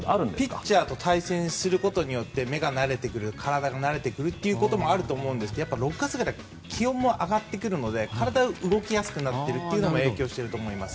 ピッチャーと対戦することによって目が慣れてくる体が慣れてくるということもあると思うんですが６月は気温も上がってくるので体が動きやすくなるのが影響していると思います。